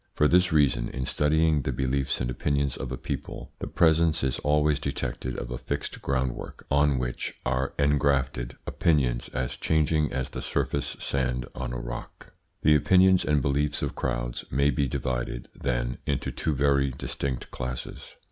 For this reason, in studying the beliefs and opinions of a people, the presence is always detected of a fixed groundwork on which are engrafted opinions as changing as the surface sand on a rock. The opinions and beliefs of crowds may be divided, then, into two very distinct classes.